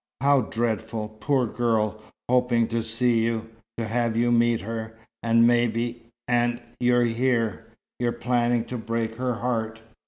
"How dreadful! Poor girl, hoping to see you to have you meet her, maybe, and you're here. You're planning to break her heart.